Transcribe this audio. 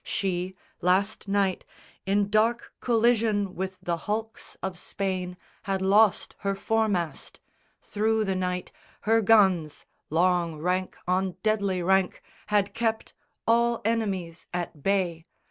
She, Last night, in dark collision with the hulks Of Spain, had lost her foremast. Through the night Her guns, long rank on deadly rank, had kept All enemies at bay.